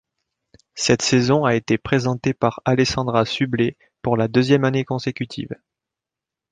Cette saison a été présentée par Alessandra Sublet pour la deuxième année consécutive.